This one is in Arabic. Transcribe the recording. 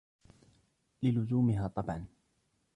لِلُزُومِهَا طَبْعًا